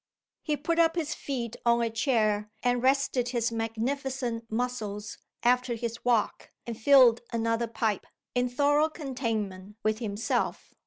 He put up his feet on a chair, and rested his magnificent muscles after his walk, and filled another pipe, in thorough contentment with himself.